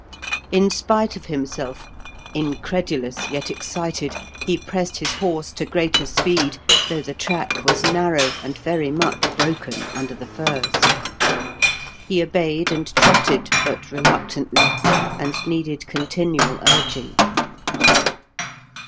In spite of himself, incredulous, yet excited, he pressed his horse to greater speed, though the track was narrow and very much broken under the firs. He obeyed, and trotted, but reluctantly, and needed continual urging.